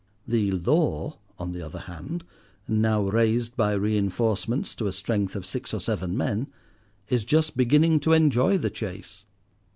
The "Law," on the other hand, now raised by reinforcements to a strength of six or seven men, is just beginning to enjoy the chase.